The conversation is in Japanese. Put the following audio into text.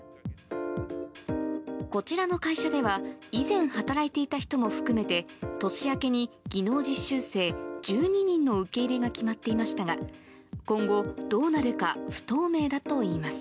こちらの会社では、以前働いていた人も含めて、年明けに技能実習生１２人の受け入れが決まっていましたが、今後、どうなるか不透明だといいます。